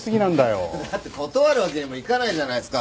だって断るわけにもいかないじゃないですか。